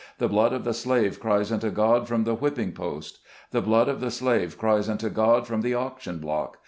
The blood of the slave cries unto God from the whipping post. The blood of the slave cries unto God from the auction block.